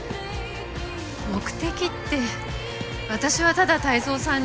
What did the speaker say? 目的って私はただ泰造さんに。